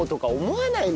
思わない。